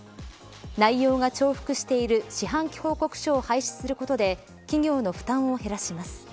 内容が重複している四半期報告書を廃止することで企業の負担を減らします。